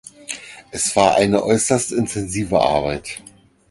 Es war eine äußerst intensive Arbeit.